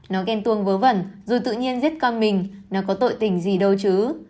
nó ghen tuông vớ vẩn dù tự nhiên giết con mình nó có tội tỉnh gì đâu chứ